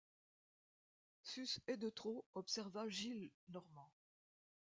Sus est de trop, observa Gillenormand.